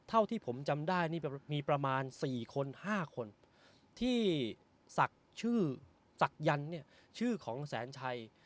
เท่าที่ผมจำได้นี่มีประมาณ๔คน๕คนที่ศักดิ์ชื่อศักยันต์เนี่ยชื่อของแสนชัย